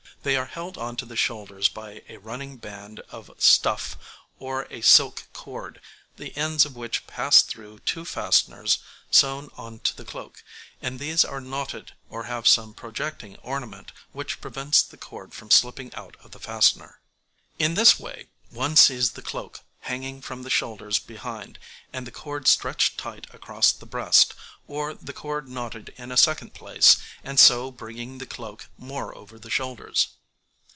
They are held on to the shoulders by a running band of stuff or a silk cord, the ends of which pass through two fasteners sewn on to the cloak, and these are knotted or have some projecting ornament which prevents the cord from slipping out of the fastener. In this way one sees the cloak hanging from the shoulders behind, and the cord stretched tight across the breast, or the cord knotted in a second place, and so bringing the cloak more over the shoulders.